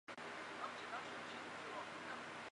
干线的轨道与中央本线和青梅线通过立川站连接着。